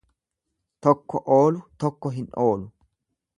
Tokko oolu tokko hin oolu.